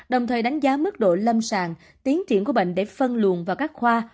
đồng thời đánh giá mức độ lâm sàng tiến triển của bệnh để phân luồn vào các khoa